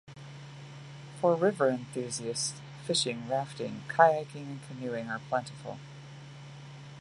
For river enthusiasts, fishing, rafting, kayaking and canoeing are plentiful.